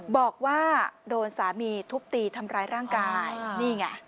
บอกว่าโดนสามีทุบตีทำร้ายร่างกายนี่ไง